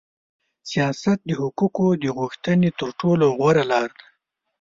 سیاست د حقوقو د غوښتنې تر ټولو غوړه لار ده.